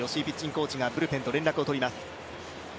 コーチがブルペンと連絡を取ります。